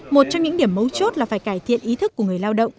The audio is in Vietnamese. một trong những điểm mấu chốt là phải cải thiện ý thức của người lao động